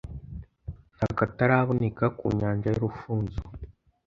n’akataraboneka ku nyanja y’Urufunzo